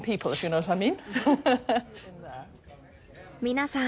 皆さん